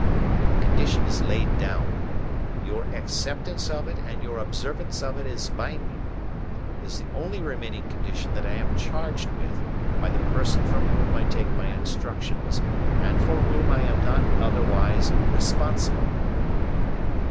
The condition is laid down. Your acceptance of it, and your observance of it as binding, is the only remaining condition that I am charged with, by the person from whom I take my instructions, and for whom I am not otherwise responsible.